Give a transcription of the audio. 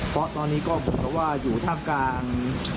เพราะตอนนี้ก็บอกแล้วว่าอยู่ท่าบกลาง